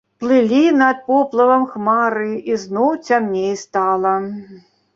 Плылі над паплавамі хмары, і зноў цямней стала.